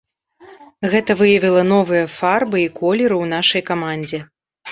Гэта выявіла новыя фарбы і колеры ў нашай камандзе.